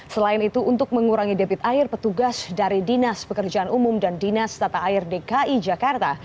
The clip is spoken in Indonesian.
selain itu untuk mengurangi debit air petugas dari dinas pekerjaan umum dan dinas tata air dki jakarta